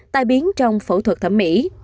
tám tài biến trong phẫu thuật thẩm mỹ